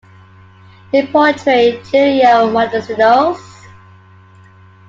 He portrayed Julio Montesinos.